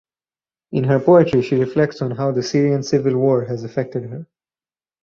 In her poetry she reflects on how the Syrian civil war has affected her.